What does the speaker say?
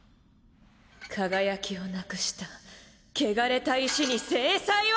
輝きをなくした汚れた石に制裁を！